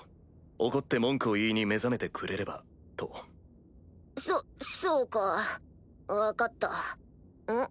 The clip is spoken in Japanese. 怒って文句を言いに目覚めてくれればそそうか分かったん？